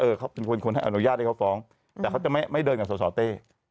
เขาเป็นคนให้อนุญาตให้เขาฟ้องแต่เขาจะไม่เดินกับสสเต้